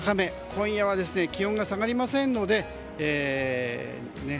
今夜は気温が下がりませんのでね。